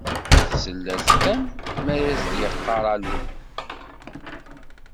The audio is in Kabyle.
Tsell-as kan mi d as-d-yeqqar alu.